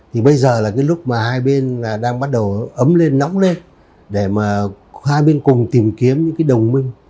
thì bây giờ là cái lúc mà hai bên đang bắt đầu ấm lên nóng lên để mà hai bên cùng tìm kiếm những cái đồng minh